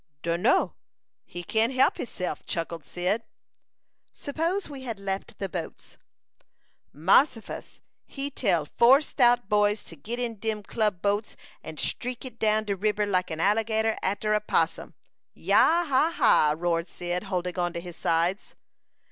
"Dunno. He can't help hisself," chuckled Cyd. "Suppose we had left the boats?" "Mossifus! He tell four stout boys to git in de club boat, and streak it down de riber like an alligator arter a possum. Yah! ha, ha!" roared Cyd, holding on to his sides.